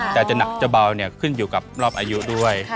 แต่จะหนักจะเบาเนี่ยขึ้นอยู่กับรอบอายุด้วย